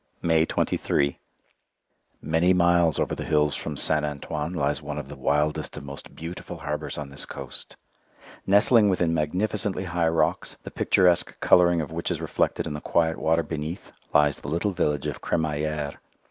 May 23 Many miles over the hills from St. Antoine lies one of the wildest and most beautiful harbours on this coast. Nestling within magnificently high rocks, the picturesque colouring of which is reflected in the quiet water beneath, lies the little village of Crémaillière.